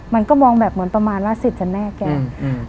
มันก็มองแบบเหมือนประมาณว่าเสร็จฉันแน่แกอืมอืม